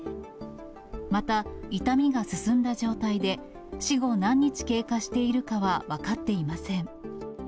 また、傷みが進んだ状態で、死後何日経過しているかは分かっていません。